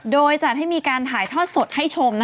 โดยจัดให้มีการถ่ายทอดสดให้ชม